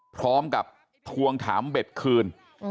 พร้อมกับทวงถามเบ็ดคืน